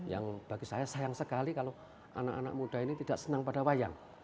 yang bagi saya sayang sekali kalau anak anak muda ini tidak senang pada wayang